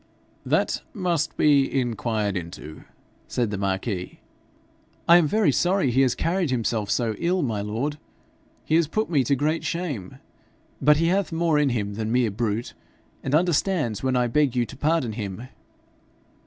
'That must be inquired into,' said the marquis. 'I am very sorry he has carried himself so ill, my lord. He has put me to great shame. But he hath more in him than mere brute, and understands when I beg you to pardon him.